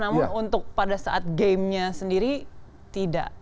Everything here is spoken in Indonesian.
namun untuk pada saat gamenya sendiri tidak